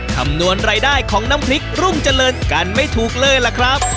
คำนวณรายได้ของน้ำพริกรุ่งเจริญกันไม่ถูกเลยล่ะครับ